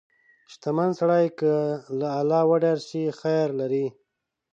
• شتمن سړی که له الله وډار شي، خیر لري.